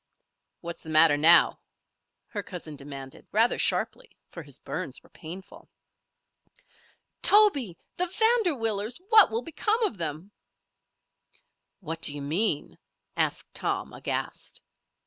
"What's the matter now?" her cousin demanded, rather sharply, for his burns were painful. "Toby, the Vanderwillers! What will become of them?" "What d'you mean?" asked Tom, aghast.